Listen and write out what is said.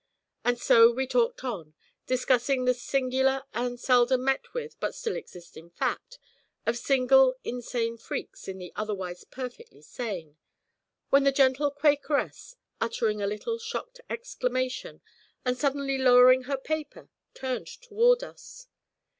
And so we talked on, discussing this singular and seldom met with, but still existing fact, of single insane freaks in the otherwise perfectly sane, when the gentle Quakeress, uttering a little shocked exclamation and suddenly lowering her paper, turned toward us.